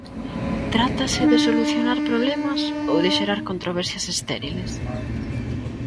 ¿Trátase de solucionar problemas ou de xerar controversias estériles?